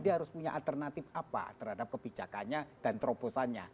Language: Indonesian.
dia harus punya alternatif apa terhadap kebijakannya dan terobosannya